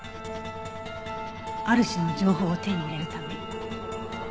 ある種の情報を手に入れるため。